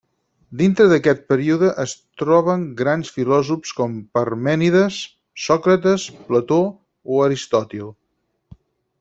Dintre d'aquest període es troben grans filòsofs com Parmènides, Sòcrates, Plató o Aristòtil.